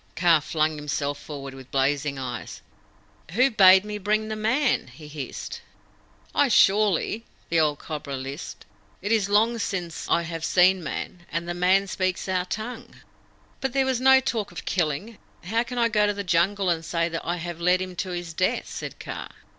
Kaa flung himself forward with blazing eyes. "Who bade me bring the Man?" he hissed. "I surely," the old Cobra lisped. "It is long since I have seen Man, and this Man speaks our tongue." "But there was no talk of killing. How can I go to the Jungle and say that I have led him to his death?" said Kaa.